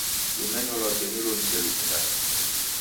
Lumenyo lwake nilo niselukundagha